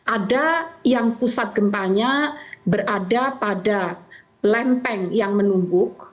ada yang pusat gempanya berada pada lempeng yang menumpuk